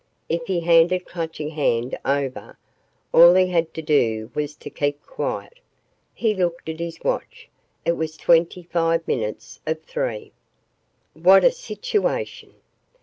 If he handed Clutching Hand over, all he had to do was to keep quiet. He looked at his watch. It was twenty five minutes of three. What a situation!